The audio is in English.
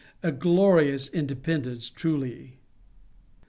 A glorious indepen dence, truly!